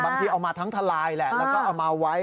บางทีเอามาทั้งทะลายแล้วก็เอามาไว้